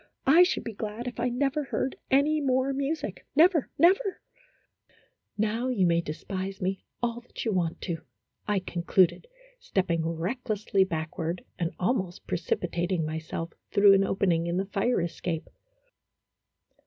I should be glad if I never heard any more music never never ! Now you may despise me all that you want to," I concluded, stepping recklessly backward, and almost precipitating myself through an opening in the fire escape.